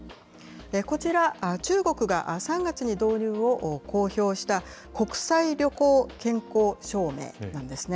こちら、中国が３月に導入を公表した、国際旅行健康証明なんですね。